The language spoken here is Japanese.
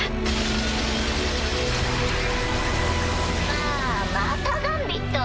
ああまたガンビット。